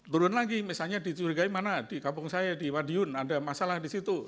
turun lagi misalnya dicurigai mana di kampung saya di madiun ada masalah di situ